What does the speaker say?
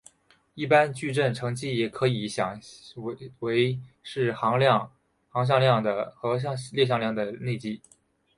一般矩阵乘积也可以想为是行向量和列向量的内积。